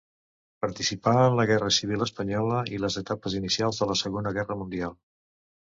Participà en la Guerra Civil espanyola i les etapes inicials de la Segona Guerra Mundial.